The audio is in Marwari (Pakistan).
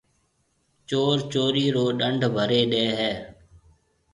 چور چورِي رو ڏنڊ ڀريَ ڏي هيَ۔